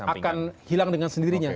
akan hilang dengan sendirinya